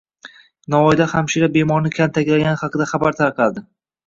Navoiyda hamshira bemorni kaltaklagani haqida xabar tarqaldi